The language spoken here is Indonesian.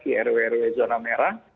di rw rw zona merah